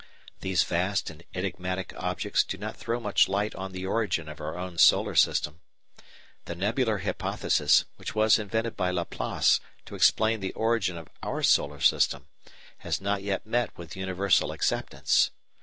These vast and enigmatic objects do not throw much light on the origin of our own solar system. The nebular hypothesis, which was invented by Laplace to explain the origin of our solar system, has not yet met with universal acceptance.